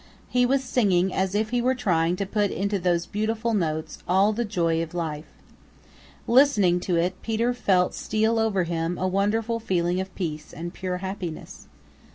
He was singing as if he were trying to put into those beautiful notes all the joy of life. Listening to it Peter felt steal over him a wonderful feeling of peace and pure happiness.